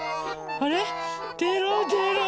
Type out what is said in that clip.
あれ？